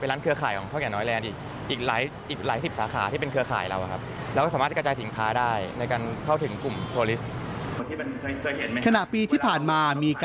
ร้านเครือข่ายเครือข่ายเท่าแก่น้อยแลนด์อีก